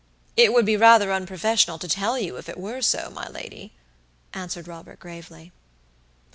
"It would be rather unprofessional to tell you if it were so, my lady," answered Robert, gravely.